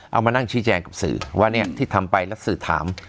เอามานั่งชี้แจงกับสื่อว่าเนี่ยที่ทำไปแล้วสื่อถาม